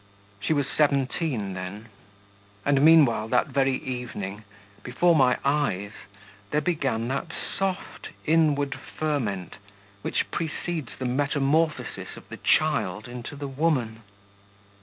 She was seventeen then.... And meanwhile, that very evening, before my eyes, there began that soft inward ferment which precedes the metamorphosis of the child into the woman....